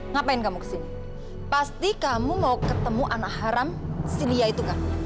ngapain kamu kesini pasti kamu mau ketemu anak haram silia itu kan